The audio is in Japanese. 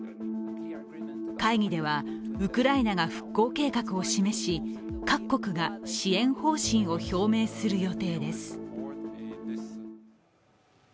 会議では、ウクライナが復興計画を示し各国が支援方針を表明する予定です。